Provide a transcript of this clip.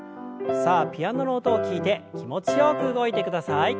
さあピアノの音を聞いて気持ちよく動いてください。